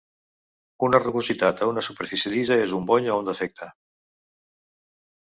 Una rugositat a una superfície llisa és un bony o un defecte.